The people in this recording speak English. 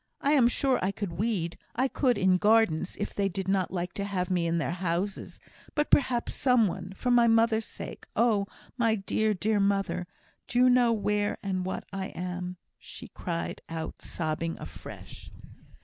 "I am sure I could weed I could in gardens if they did not like to have me in their houses. But perhaps some one, for my mother's sake oh! my dear, dear mother! do you know where and what I am?" she cried out, sobbing afresh.